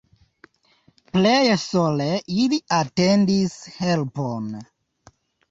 Pleje sole ili atendis helpon.